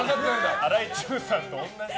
荒井注さんと同じ。